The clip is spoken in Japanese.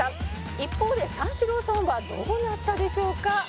「一方で三四郎さんはどうなったでしょうか？」